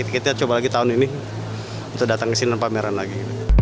kita coba lagi tahun ini untuk datang ke sini dan pameran lagi